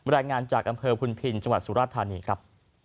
รายงานจากอำเภอพุนพินจังหวัดสุราธานีครับ